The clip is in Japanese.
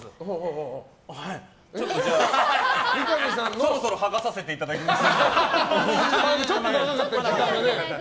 そろそろ剥がさせていただきます。